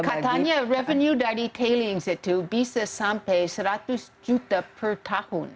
katanya revenue dari tailings itu bisa sampai seratus juta per tahun